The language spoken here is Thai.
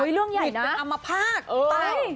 วิทย์เป็นอัมภาษณ์